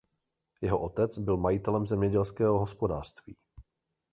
Jeho otec byl majitelem zemědělského hospodářství.